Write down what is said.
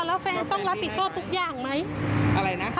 อะไรนะ